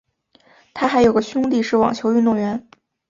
她还有个兄弟是网球运动员。